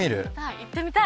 行ってみたい！